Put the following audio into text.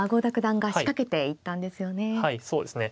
はいそうですね。